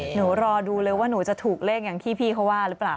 หนูรอดูเลยว่าหนูจะถูกเล่นอย่างพี่เขาว่าหรือป่าว